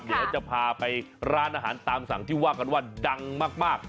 เดี๋ยวจะพาไปร้านอาหารตามสั่งที่ว่ากันว่าดังมาก